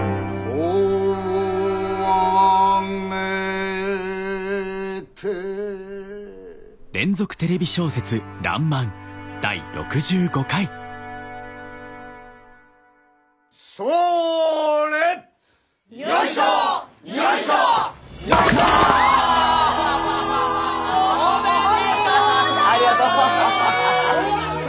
おめでとうございます！